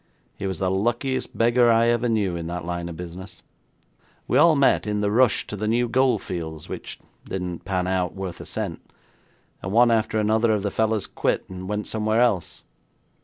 He was the luckiest beggar I ever knew in that line of business. We all met in the rush to the new goldfields, which didn't pan out worth a cent, and one after another of the fellows quit and went somewhere else.